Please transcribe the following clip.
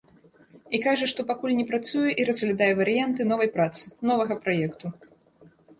І кажа, што пакуль не працуе і разглядае варыянты новай працы, новага праекту.